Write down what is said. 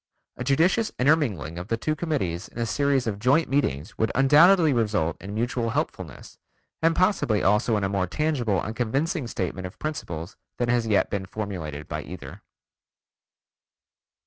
A judicious intermingling of the two committees in a series of joint meetings would undoubtedly result in mutual helpfulness, and possibly also in a more tangible and convincing statement of principles than has yet been formulated by either.